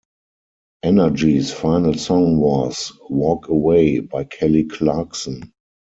Energy's final song was "Walk Away" by Kelly Clarkson.